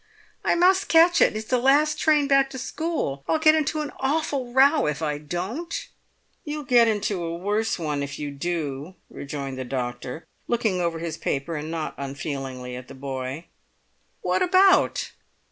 "I must catch it. It's the last train back to school. I'll get into an awful row if I don't!" "You'll get into a worse one if you do," rejoined the doctor, looking over his paper, and not unfeelingly, at the boy. "What about?"